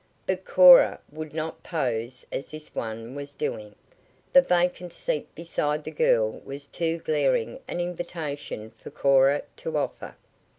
But Cora would not pose as this one was doing. The vacant seat beside the girl was too glaring an invitation for Cora to offer.